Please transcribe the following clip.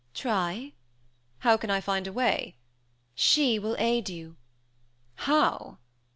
"Try." "How can I find a way?" "She will aid you." "How?"